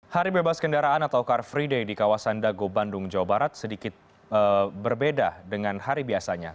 hari bebas kendaraan atau car free day di kawasan dago bandung jawa barat sedikit berbeda dengan hari biasanya